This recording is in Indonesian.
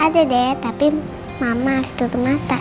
ada deh tapi mama harus tutup mata